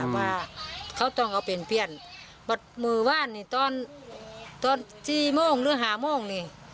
ว่าเขาต้องเอาเป็นเพื่อนบอกว่าตอนที่โมงหรือหาโมงนี่